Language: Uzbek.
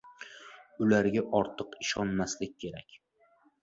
Ularga ortiq ishonmaslik kerak.